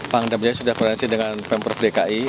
pak damjaya sudah berhasil dengan pemprov dki